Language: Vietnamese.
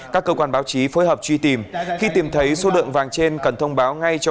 các cơ quan báo chí phối hợp truy tìm khi tìm thấy số lượng vàng trên cần thông báo ngay cho